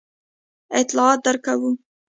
اطلاعات درکوو.